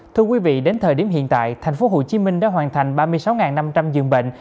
thưa quý vị đến thời điểm hiện tại tp hcm đã hoàn thành ba mươi sáu năm trăm linh giường bệnh